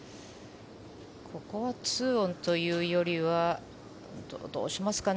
ここは２オンというよりはどうしますかね